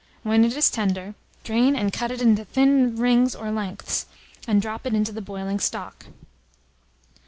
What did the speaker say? When it is tender, drain and cut it into thin rings or lengths, and drop it into the boiling stock.